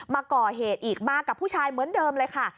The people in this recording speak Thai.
มาก่อเหตุอีกมากับผู้ชายเหมือนเดิมเลยค่ะ